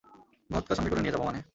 Vodka সঙ্গে করে নিয়ে যাবো মানে?